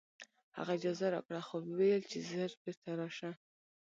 هغه اجازه راکړه خو وویل چې ژر بېرته راشه